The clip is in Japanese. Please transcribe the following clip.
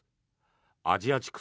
アジア地区